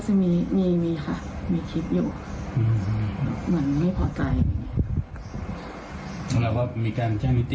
จะมีมีค่ะมีคลิปอยู่เหมือนไม่พอใจเราก็มีการแจ้งนิติ